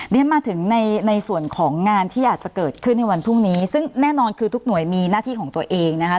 เรียนมาถึงในในส่วนของงานที่อาจจะเกิดขึ้นในวันพรุ่งนี้ซึ่งแน่นอนคือทุกหน่วยมีหน้าที่ของตัวเองนะคะ